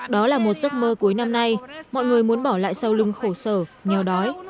đó là một giấc mơ cuối năm nay mọi người muốn bỏ lại sau lưng khổ sở nghèo đói